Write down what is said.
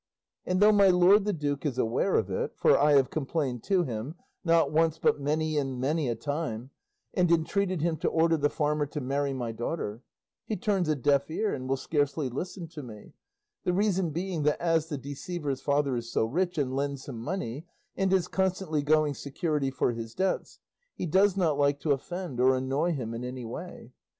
And though my lord the duke is aware of it (for I have complained to him, not once but many and many a time, and entreated him to order the farmer to marry my daughter), he turns a deaf ear and will scarcely listen to me; the reason being that as the deceiver's father is so rich, and lends him money, and is constantly going security for his debts, he does not like to offend or annoy him in any way.